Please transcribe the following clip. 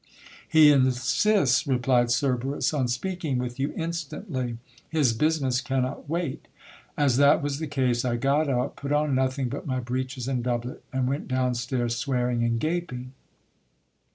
He in sists, replied Cerberus, on speaking with you instantly ; his business cannot wait. As that was the case I got up, put on nothing but my breeches and doublet, and went down stairs, swearing and gaping.